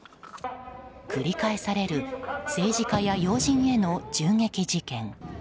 繰り返される政治家や要人への銃撃事件。